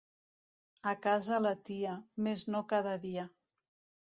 A casa la tia, mes no cada dia.